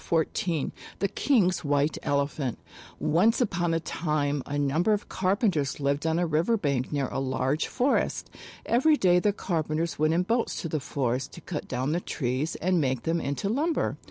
68 XIV THE KING'S WHITE ELEPHANT ONCE upon a time a number of carpenters lived on a river bank near a large forest. Every day the carpenters went in boats to the forest to cut down the trees and make them into lumber.